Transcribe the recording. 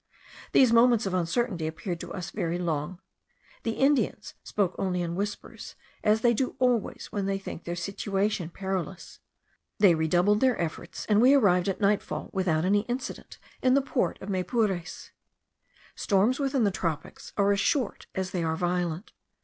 These moments of uncertainty appeared to us very long: the Indians spoke only in whispers, as they do always when they think their situation perilous. They redoubled their efforts, and we arrived at nightfall, without any accident, in the port of Maypures. Storms within the tropics are as short as they are violent.